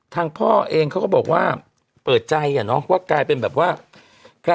ทางพ่อเขาก็บอกว่าเปิดใจแหละนะกลายเป็นแบบว่า